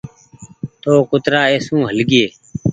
تو ڪترآ اي سون هل گيئي